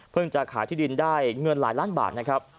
จะขายที่ดินได้เงินหลายล้านบาทนะครับ